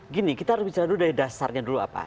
gini kita harus bicara dulu dari dasarnya dulu apa